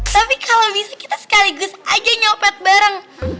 tapi kalau bisa kita sekaligus aja nyopet bareng